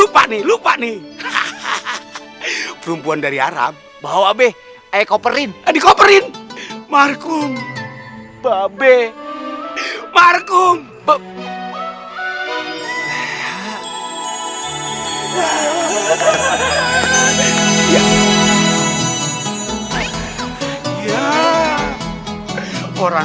sampai jumpa di video selanjutnya